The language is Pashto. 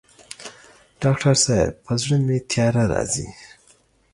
ډاکټر صاحب په زړه مي تیاره راځي